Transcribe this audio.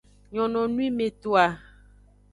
Nyononwimetoa.